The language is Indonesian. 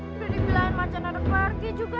sudah dibilang macan sudah pergi juga